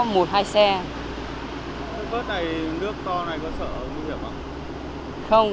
nên phải bắt bằng